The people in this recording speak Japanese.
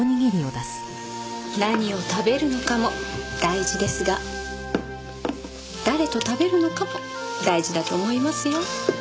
何を食べるのかも大事ですが誰と食べるのかも大事だと思いますよ。